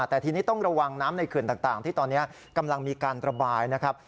แต่ทีนี้ต้องระวังน้ำในเขื่อนต่างที่ตอนนี้กำลังมีการระบายนะครับ